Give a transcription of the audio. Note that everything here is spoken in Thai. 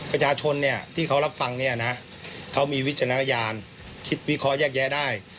ประชาชนเนี่ยที่เขารับฟังเนี่ยนะเขามีวิจารณญาณคิดวิเคราะห์แยกแยะได้